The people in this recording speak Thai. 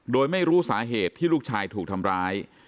โดยไม่รู้สาเหตุที่ลูกชายถูกทำร้าย